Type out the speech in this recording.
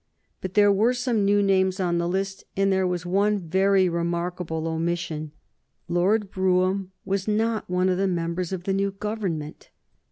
But there were some new names in the list, and there was one very remarkable omission. Lord Brougham was not one of the members of the new Government.